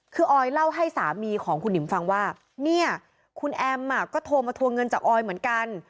คือออยเล่าให้สามีของคุณหิมฟังว่าเนี่ยคุณแอมก็โทรมาทวงเงินจากออยเหมือนกัน